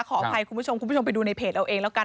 ขออภัยคุณผู้ชมคุณผู้ชมไปดูในเพจเราเองแล้วกัน